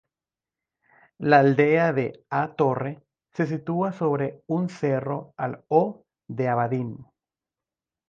La aldea de "A Torre" se sitúa sobre un cerro al O de Abadín.